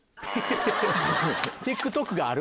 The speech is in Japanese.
ＴｉｋＴｏｋがある？